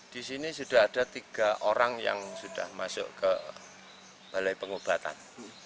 di sini sudah ada tiga orang yang sudah masuk ke balai pengobatan